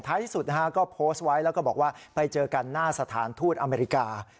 ที่สุดนะฮะก็โพสต์ไว้แล้วก็บอกว่าไปเจอกันหน้าสถานทูตอเมริกา